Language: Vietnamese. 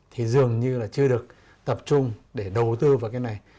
thì dường như là chưa được tập trung để đầu tư vào cái này